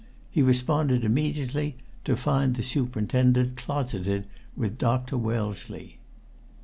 He responded immediately, to find the superintendent closeted with Dr. Wellesley.